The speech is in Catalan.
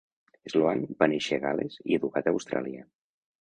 Sloane va néixer a Gales i educat a Austràlia.